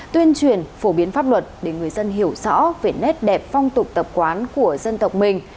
tuyên truyền phổ biến pháp luật để người dân hiểu rõ về nét đẹp phong tục tập quán của dân tộc mình